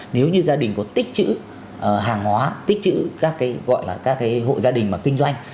nếu như gia đình có tích chữ hàng hóa tích chữ các hộ gia đình kinh doanh